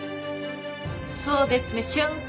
そうですね瞬間